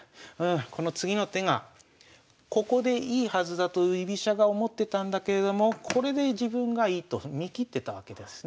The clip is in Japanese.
この次の手がここでいいはずだと居飛車が思ってたんだけれどもこれで自分がいいと見きってたわけですね。